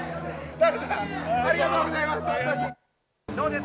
ダルさん、ありがとうございます。